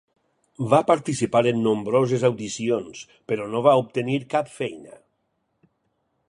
Va participar en nombroses audicions, però no va obtenir cap feina.